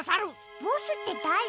ボスってだれ？